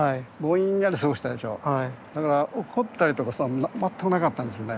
だから怒ったりとかしたの全くなかったんですよね。